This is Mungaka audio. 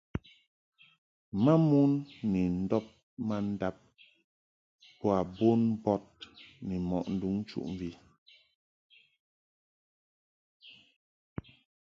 Mamon ni ndɔb mandab boa mombɔd ni mɔʼ nduŋ nchuʼmvi.